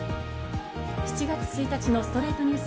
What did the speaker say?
７月１日の『ストレイトニュース』。